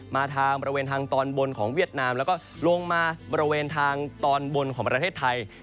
มาทางบริเวณทางตอนบนของเวียดนามแล้วก็ลงมาบริเวณทางตอนบนของประเทศไทย